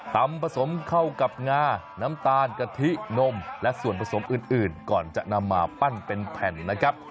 ผสมเข้ากับงาน้ำตาลกะทินมและส่วนผสมอื่นก่อนจะนำมาปั้นเป็นแผ่นนะครับ